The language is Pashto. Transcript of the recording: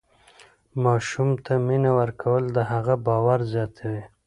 ماشوم ته مینه ورکول د هغه باور زیاتوي.